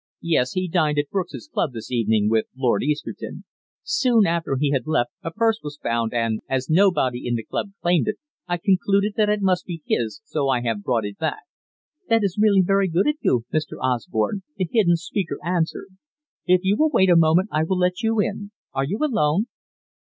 "Yes. He dined at Brooks's Club this evening with Lord Easterton. Soon after he had left, a purse was found, and, as nobody in the club claimed it, I concluded that it must be his, so I have brought it back." "That is really very good of you, Mr. Osborne," the hidden speaker answered. "If you will wait a moment I will let you in. Are you alone?"